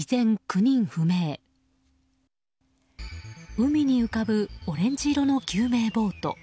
海に浮かぶオレンジ色の救命ボート。